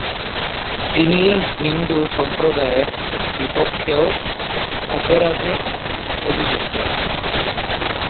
তিনি হিন্দু সম্প্রদায়ের বিপক্ষেও অপরাধে অভিযুক্ত।